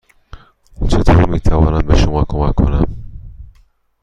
چطور می توانم به شما کمک کنم؟